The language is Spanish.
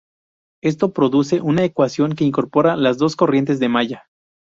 Esto produce una ecuación que incorpora las dos corrientes de malla.